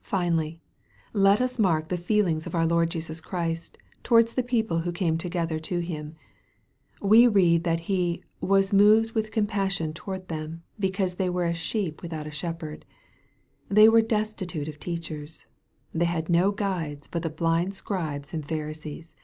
Finally, let us mark the feelings of our Lord Jesus Christ towards the people who came together to Him. We read that He " was moved with compassion toward them, because they were as sheep without a shepherd/' They were destitute of teachers. They had no guides but the blind Scribes and Pharisees.